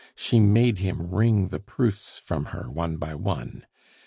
She made him wring the proofs from her one by one.